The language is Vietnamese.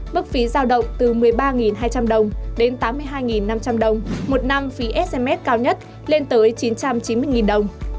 mức phí giao động từ một mươi ba hai trăm linh đồng đến tám mươi hai năm trăm linh đồng một năm phí sms cao nhất lên tới chín trăm chín mươi đồng